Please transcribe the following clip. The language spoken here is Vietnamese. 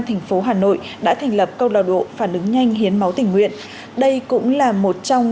thành phố hà nội đã thành lập câu lao độ phản ứng nhanh hiến máu tình nguyện đây cũng là một trong